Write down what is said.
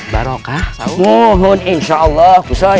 barokah mohon insyaallah usai